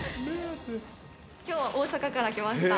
きょうは大阪から来ました。